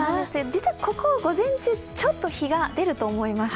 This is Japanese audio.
実はここ、午前中ちょっと日が出ると思います。